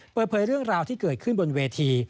เปิดเผยเรื่องราวที่เกิดขึ้นบนเวที